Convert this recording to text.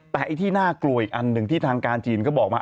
แต่ไอ้ที่น่ากลัวอีกอันหนึ่งที่ทางการจีนก็บอกมา